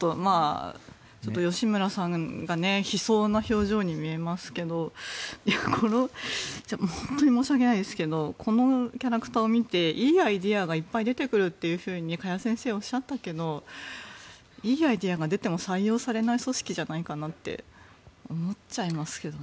吉村さんが悲壮な表情に見えますけど本当に申し訳ないですがこのキャラクターを見ていいアイデアがいっぱい出てくると加谷先生はおっしゃったけどいいアイデアが出ても採用されない組織じゃないかなって思っちゃいますけどね。